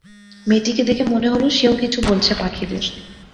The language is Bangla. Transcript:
মেয়েটিকে দেখে মনে হল, সেও কিছু বলছে পাখিদের।